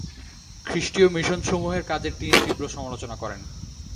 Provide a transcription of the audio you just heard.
খ্রীষ্টীয় মিশনসমূহের কাজের তিনি তীব্র সমালোচনা করেন।